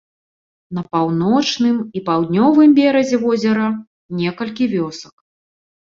На паўночным і паўднёвым беразе возера некалькі вёсак.